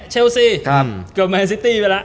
เชลซี